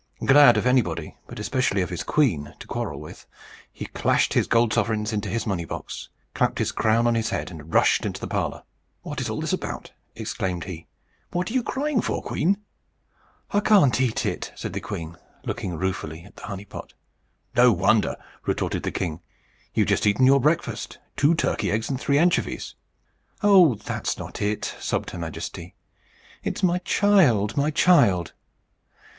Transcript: Glad of anybody, but especially of his queen, to quarrel with, he clashed his gold sovereigns into his money box, clapped his crown on his head, and rushed into the parlour. "What is all this about?" exclaimed he. "What are you crying for, queen?" "I can't eat it," said the queen, looking ruefully at the honey pot. "No wonder!" retorted the king. "You've just eaten your breakfast two turkey eggs, and three anchovies." "Oh, that's not it!" sobbed her Majesty. "It's my child, my child!"